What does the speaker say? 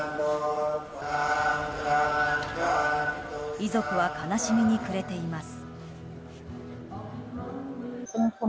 遺族は悲しみに暮れています。